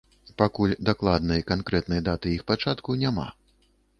Пакуль дакладнай канкрэтнай даты іх пачатку няма.